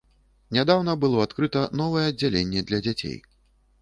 Нядаўна было адкрыта новае аддзяленне для дзяцей.